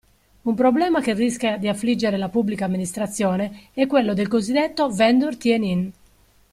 Un problema che rischia di affliggere la Pubblica Amministrazione è quello del cosiddetto "vendor tie-in".